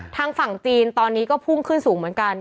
ทางฝั่งจีนตอนนี้ก็พุ่งขึ้นสูงเหมือนกัน